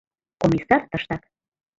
Комиссар тыштак...